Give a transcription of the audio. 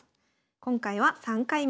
今回は３回目。